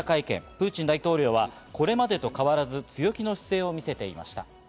プーチン大統領はこれまでと変わらず、強気の姿勢を見せていました。